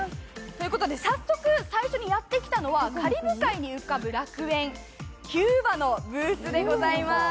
最初にやってきたのは、カリブ海に浮かぶ楽園、キューバのブースでございます。